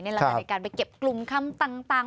ในลักษณะการไปเก็บกลุ่มคำต่าง